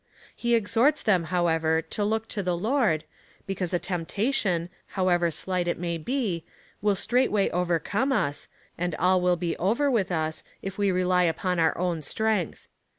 He exhorts them, however, to look to the Lord, because a temptation, however slight it may be, will straiglitway overcome us, and all will be over with us, if we rely upon our own strength.